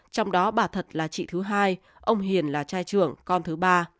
trong đó bà thật là chị thứ hai ông hiền là trai trưởng con thứ ba